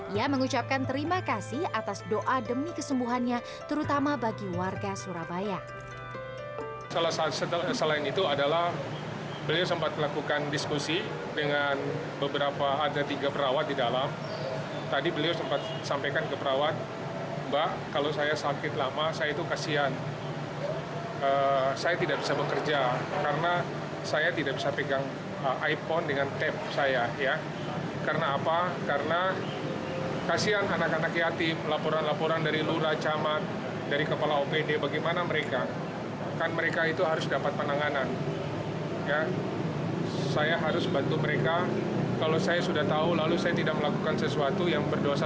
ia mengucapkan terima kasih atas doa demi kesembuhannya terutama bagi warga surabaya